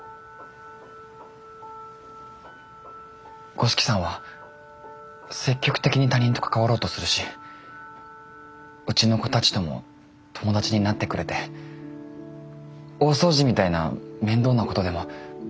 五色さんは積極的に他人と関わろうとするしうちの子たちとも友達になってくれて大掃除みたいな面倒なことでもいつも楽しんでやってくれて。